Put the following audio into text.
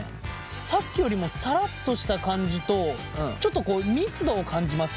さっきよりもサラッとした感じとちょっと密度を感じますね。